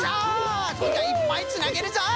そんじゃいっぱいつなげるぞい。